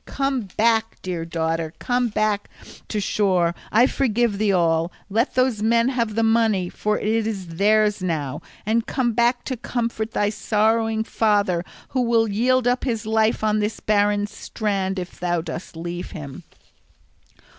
"Come back, dear daughter, come back to shore; I forgive thee all; let those men have the money, for it is theirs now, and come back to comfort thy sorrowing father, who will yield up his life on this barren strand if thou dost leave him."